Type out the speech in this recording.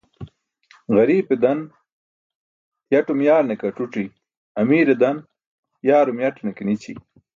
Ġariipe dan yaṭum yaarne ke ac̣uc̣i, amiire dan yaarum yaṭne ke nići